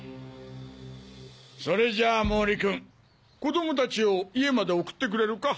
それじゃあ毛利君子供たちを家まで送ってくれるか？